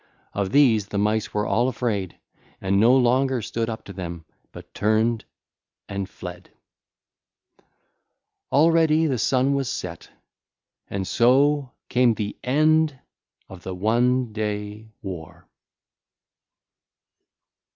Of these the Mice were all afraid and no longer stood up to them, but turned and fled. Already the sun was set, and so came the end of the one day war.